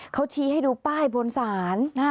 เขาชี้ให้ดูป้ายบนศาล